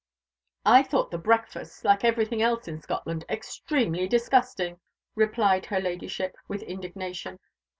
"I thought the breakfasts, like everything else in Scotland, extremely disgusting," replied her Ladyship, with indignation.